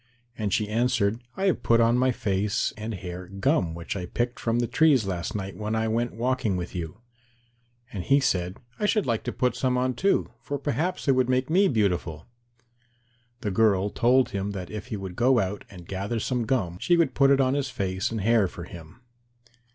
And she answered, "I have put on my face and hair gum which I picked from the trees last night when I went walking with you." And he said, "I should like to put some on too, for perhaps it would make me beautiful." The girl told him that if he would go out and gather some gum she would put it on his face and hair for him.